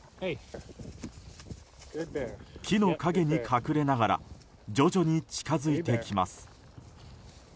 木の陰に隠れながら徐々に近づいてきます。